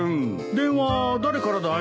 電話誰からだい？